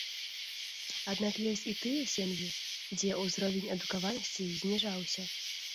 Аднак ёсць і тыя сем'і, дзе ўзровень адукаванасці зніжаўся.